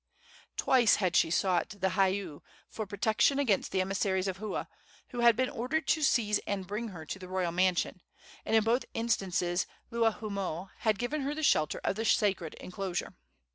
Twice had she sought the heiau for protection against the emissaries of Hua, who had been ordered to seize and bring her to the royal mansion, and in both instances Luahoomoe had given her the shelter of the sacred enclosure.